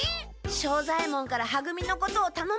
庄左ヱ門からは組のことをたのまれてるから！